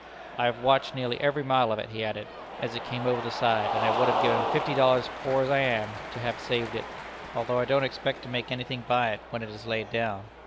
'I have watched nearly every mile of it,' he added, 'as it came over the side, and I would have given fifty dollars, poor as I am, to have saved it, although I don't expect to make any thing by it when it is laid down.'